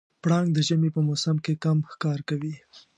پړانګ د ژمي په موسم کې کم ښکار کوي.